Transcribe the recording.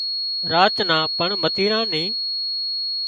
راچ نان پڻ متيران ني